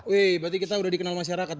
weh berarti kita udah dikenal masyarakat bang ya